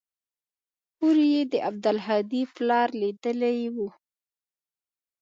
هورې يې د عبدالهادي پلار ليدلى و.